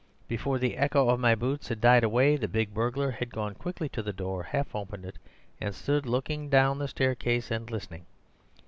Before the echo of my boots had died away, the big burglar had gone quickly to the door, half opened it, and stood looking down the staircase and listening.